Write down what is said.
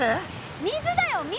水だよ水！